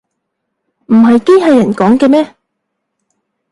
唔係機器人講嘅咩